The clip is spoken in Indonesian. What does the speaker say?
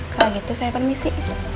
kalau gitu saya permisi